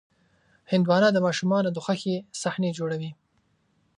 هندوانه د ماشومانو د خوښې صحنې جوړوي.